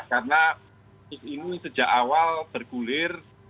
karena ini sejak awal bergulir